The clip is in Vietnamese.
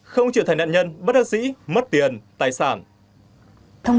không chịu thành nạn nhân bất đơn sĩ mất tiền tài sản